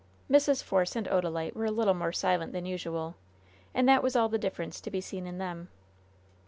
Mrs. Force and Odalite were a little more silent than usual, and that was all the difference to be seen in them.